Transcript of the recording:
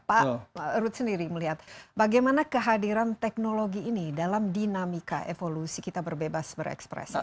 pak ruth sendiri melihat bagaimana kehadiran teknologi ini dalam dinamika evolusi kita berbebas berekspresi